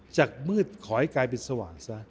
จากมืดขอให้กลายเป็นสว่างซะ